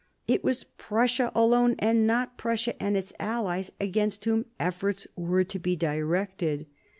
It was Prussia alone, and not Prussia and its allies, against whom efforts were to be directed.